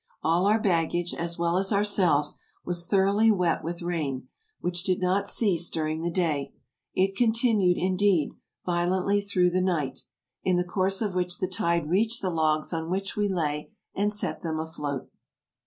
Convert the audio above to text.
All our baggage, as well as ourselves, was thoroughly wet with rain, which did not cease during the day; it continued, indeed, violently through the night, in the course of which the tide reached the logs on which we lay, and set them afloat.